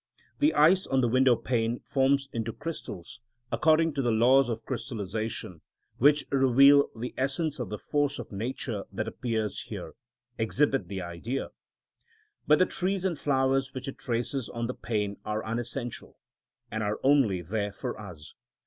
The ice on the window pane forms itself into crystals according to the laws of crystallisation, which reveal the essence of the force of nature that appears here, exhibit the Idea; but the trees and flowers which it traces on the pane are unessential, and are only there for us.